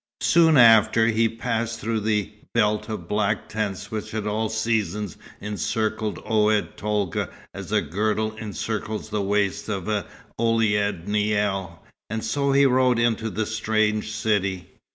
Soon after, he passed through the belt of black tents which at all seasons encircles Oued Tolga as a girdle encircles the waist of an Ouled Naïl, and so he rode into the strange city.